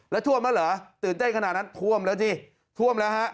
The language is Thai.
แล้วท่วมแล้วเหรอตื่นเต้นขนาดนั้นท่วมแล้วสิท่วมแล้วฮะ